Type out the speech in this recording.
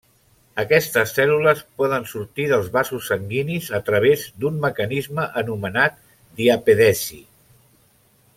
Aquestes cèl·lules poden sortir dels vasos sanguinis a través d'un mecanisme anomenat diapedesi.